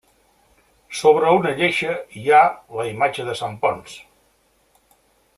Sobre una lleixa hi ha la imatge de Sant Ponç.